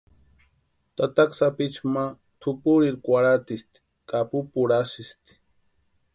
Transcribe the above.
Tataka sapichu ma tʼupurirhu kwarhatsisti ka pupurhasïsti.